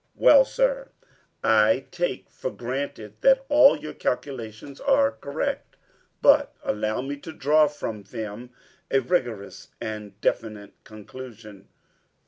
"Well, sir, I take for granted that all your calculations are correct, but allow me to draw from them a rigorous and definite conclusion."